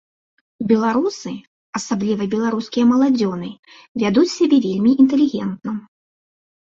Беларусы, асабліва беларускія маладзёны, вядуць сябе вельмі інтэлігентна.